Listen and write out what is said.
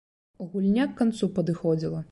Гульня к канцу падыходзіла.